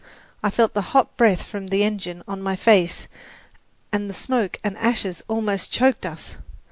I felt the hot breath from the engine on my face, and the smoke and ashes almost choked us.